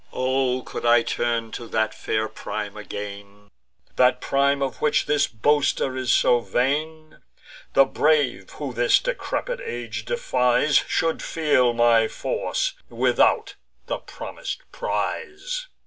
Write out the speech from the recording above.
O could I turn to that fair prime again, That prime of which this boaster is so vain, The brave, who this decrepid age defies, Should feel my force, without the promis'd prize."